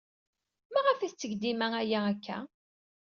Maɣef ay tetteg dima aya akka?